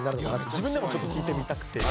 自分でも聞いてみたくて。